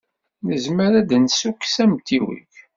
Nezmer ad d-nessukkes amtiweg?